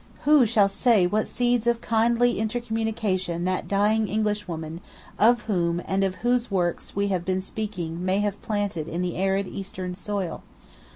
Who shall say what seeds of kindly intercommunion that dying Englishwoman of whom and of whose works we have been speaking may have planted in the arid Eastern soil?